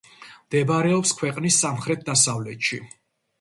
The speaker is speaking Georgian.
მდებარეობს ქვეყნის სამხრეთ-დასავლეთში.